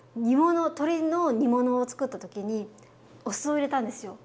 鶏の煮物をつくった時にお酢を入れたんですよ。